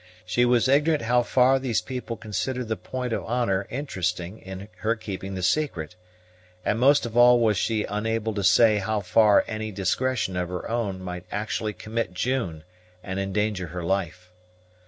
She was ignorant how far these people consider the point of honor interested in her keeping the secret; and most of all was she unable to say how far any indiscretion of her own might actually commit June and endanger her life.